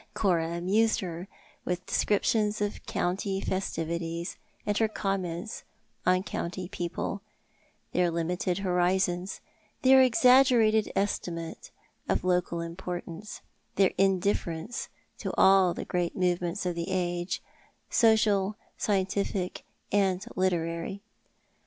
Cora amused her with descriptions of county festivities, aud her comments on county people— their limited horizons, their exaggerated estimate of local importance, their indiflference to all the great movements of the age, social, scien tific, and literary.